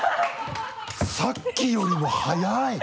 さっきよりも早い！